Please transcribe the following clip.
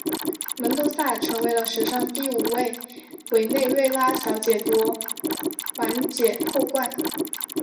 门多萨成为了史上第五位委内瑞拉小姐夺环姐后冠。